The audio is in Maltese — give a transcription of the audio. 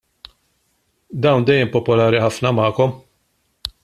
Dawn dejjem popolari ħafna magħkom.